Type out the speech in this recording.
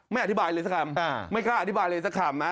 ไม่อธิบายเลยสักคำไม่กล้าอธิบายอะไรสักคำนะ